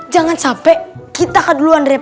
jangan sampai kita keduluan daripada